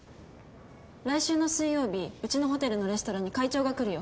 来週の水曜日うちのホテルのレストランに会長が来るよ。